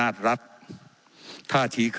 ว่าการกระทรวงบาทไทยนะครับ